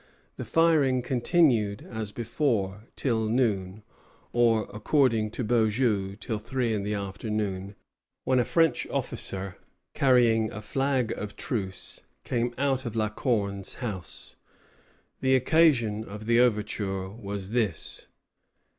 The firing continued, as before, till noon, or, according to Beaujeu, till three in the afternoon, when a French officer, carrying a flag of truce, came out of La Corne's house. The occasion of the overture was this.